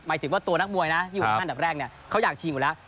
ถึงว่าตัวนักมวยนะที่อยู่อันดับแรกเนี่ยเขาอยากชิงอยู่แล้ว